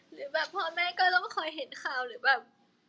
หรือแบบพ่อแม่ก็ต้องคอยเห็นข่าวหรือแบบ